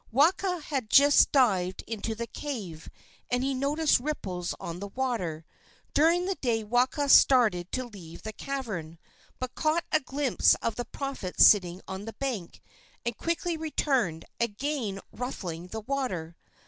Waka had just dived into the cave, and he noticed ripples on the water. During the day Waka started to leave the cavern, but caught a glimpse of the prophet sitting on the bank, and quickly returned, again ruffling the water.